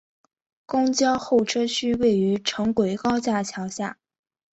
公交候车区位于城轨高架桥下。